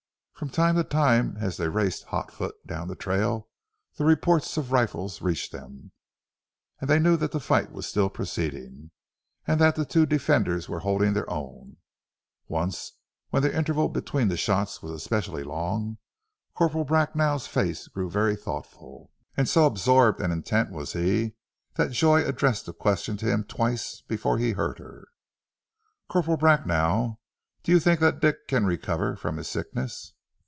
From time to time as they raced hot foot down the trail the reports of rifles reached them, and they knew that the fight was still proceeding, and that the two defenders were holding their own. Once when the interval between the shots was especially long, Corporal Bracknell's face grew very thoughtful, and so absorbed and intent was he that Joy addressed a question to him twice before he heard her. "Corporal Bracknell, do you think that Dick can recover from his sickness?"